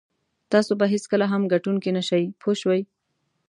تاسو به هېڅکله هم ګټونکی نه شئ پوه شوې!.